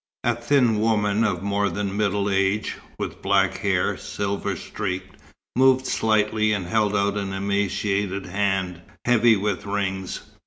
A thin woman of more than middle age, with black hair, silver streaked, moved slightly and held out an emaciated hand heavy with rings.